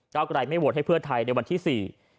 ก้าวกรายไม่โหวตให้เพื่อไทยในวันที่๔